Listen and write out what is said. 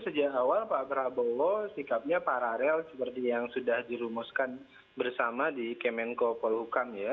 sejak awal pak prabowo sikapnya paralel seperti yang sudah dirumuskan bersama di kemenko polhukam ya